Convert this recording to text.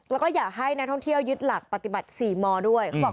แล้วก็อยากให้นักท่องเที่ยวยึดหลักปฏิบัติ๔มด้วย